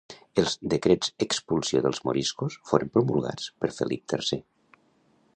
Els decrets expulsió dels moriscos foren promulgats per Felip tercer